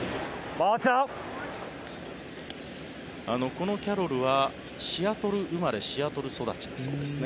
このキャロルはシアトル生まれシアトル育ちだそうですね。